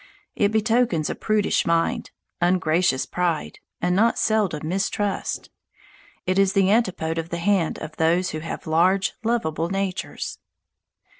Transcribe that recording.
It betokens a prudish mind, ungracious pride, and not seldom mistrust. It is the antipode to the hand of those who have large, lovable natures.